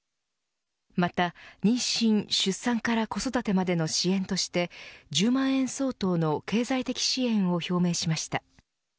また、妊娠、出産から子育てまでの支援として１０万円相当の経済的支援を表明しました。